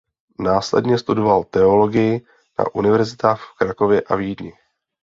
Následně studoval teologii na univerzitách v Krakově a Vídni.